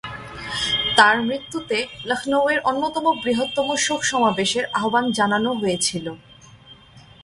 তাঁর মৃত্যুতে লখনউয়ের অন্যতম বৃহত্তম শোক সমাবেশের আহ্বান জানানো হয়েছিল।